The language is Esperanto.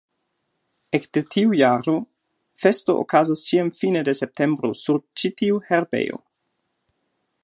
Ekde tiu jaro festo okazas ĉiam fine de septembro sur ĉi-tiu herbejo.